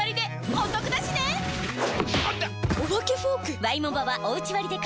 お化けフォーク